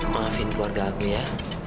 maafin keluarga aku ya